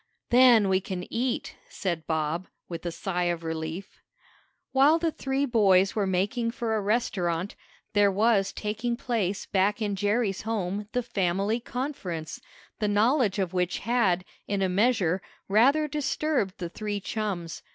"Then we can eat," said Bob, with a sigh of relief. While the three boys were making for a restaurant, there was taking place back in Jerry's home the family conference, the knowledge of which had, in a measure, rather disturbed the three chums.